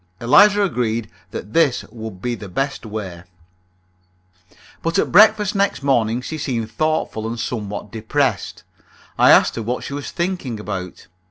Eliza agreed that this would be the best way. But at breakfast next morning she seemed thoughtful and somewhat depressed. I asked her what she was thinking about.